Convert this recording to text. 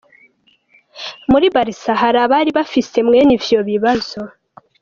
Muri Barca, hari abari bafise mwenivyo bibazo.